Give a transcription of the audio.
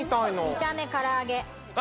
見た目唐揚げ。